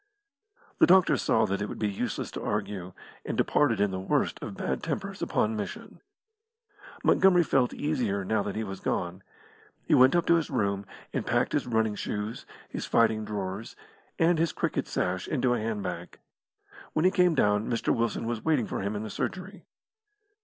The doctor saw that it would be useless to argue, and departed in the worst of bad tempers upon mission. Montgomery felt easier now that he was gone. He went up to his room, and packed his running shoes, his fighting drawers, and his cricket sash into a hand bag. When he came down, Mr. Wilson was waiting for him in the surgery.